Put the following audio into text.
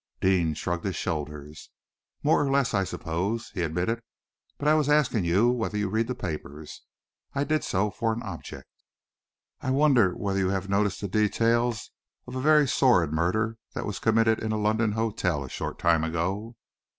Deane shrugged his shoulders. "More or less, I suppose," he admitted. "But I was asking you whether you read the papers. I did so for an object. I wonder whether you have noticed the details of a very sordid murder that was committed in a London hotel a short time ago?"